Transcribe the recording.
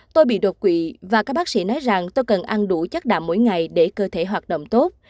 tôi bị đột quỵ và các bác sĩ nói rằng tôi cần ăn đủ chất đạm mỗi ngày để cơ thể hoạt động tốt